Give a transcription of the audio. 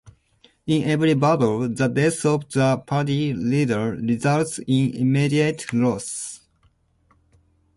In every battle, the death of the party leader results in immediate loss.